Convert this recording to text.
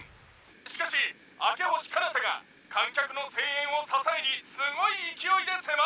「しかし明星かなたが観客の声援を支えにすごい勢いで迫っています！」